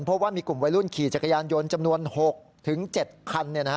เพราะว่ามีกลุ่มวัยรุ่นขี่จักรยานยนต์จำนวน๖๗คัน